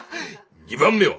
２番目は？